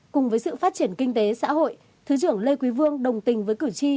cùng với sự phát triển kinh tế xã hội thứ trưởng lê quý vương đồng tình với cử tri